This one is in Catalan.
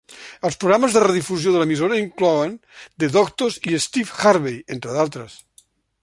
Els programes de redifusió de l'emissora inclouen "The Doctors" i "Steve Harvey" entre d'altres.